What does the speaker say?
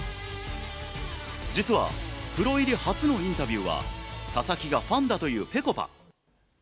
実はプロ入り初のインタビューは、佐々木がファンだというぺこぱ。